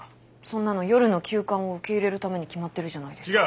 そんなの夜の急患を受け入れるために決まってるじゃないですか。